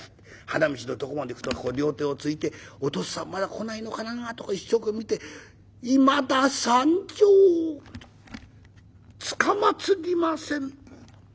花道のとこまで行くと両手をついてお父っつぁんまだ来ないのかなと一生懸命見て「いまだ参上つかまつりません」。